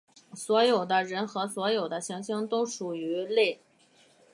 所有的人和所有的行星都属于类。